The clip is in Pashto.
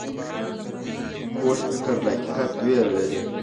کوږ فکر له حقیقت ویره لري